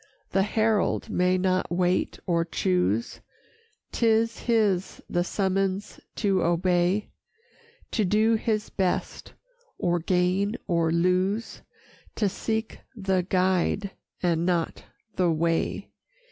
The herald may not wait or choose, 'Tis his the summons to obey; To do his best, or gain or lose, To seek the Guide and not the way.